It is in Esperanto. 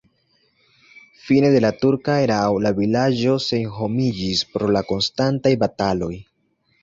Fine de la turka erao la vilaĝo senhomiĝis pro la konstantaj bataloj.